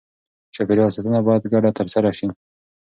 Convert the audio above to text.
چاپېریال ساتنه باید ګډه ترسره شي.